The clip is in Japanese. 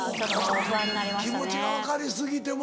そうか気持ちが分かり過ぎても。